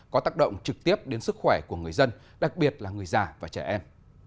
có tác động trực tiếp đến sức khỏe của người dân đặc biệt là người già và trẻ em